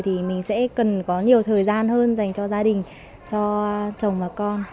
thì mình sẽ cần có nhiều thời gian hơn dành cho gia đình cho chồng và con